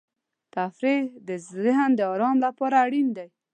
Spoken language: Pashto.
تفریح د ذهن د آرام لپاره اړین دی.